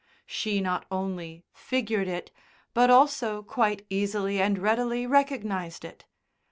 She not only figured it, but also quite easily and readily recognised it.